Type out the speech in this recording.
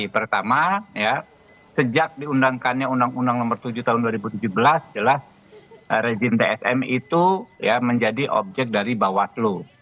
pertama sejak diundangkannya undang undang nomor tujuh tahun dua ribu tujuh belas jelas rejim tsm itu menjadi objek dari bawaslu